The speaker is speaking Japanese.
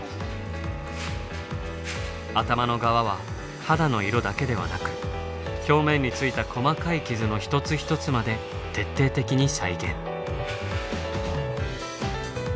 頭の側は肌の色だけではなく表面についた細かい傷の一つ一つまで徹底的に再現。